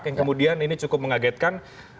yang kemudian ini cukup mengagetkan